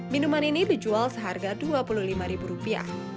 minuman ini dijual seharga dua puluh lima rupiah